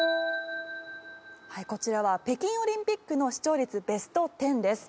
こちらは北京オリンピックの視聴率ベスト１０です。